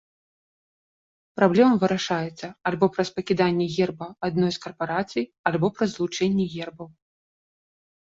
Праблема вырашаецца альбо праз пакіданне герба адной з карпарацый, альбо праз злучэнне гербаў.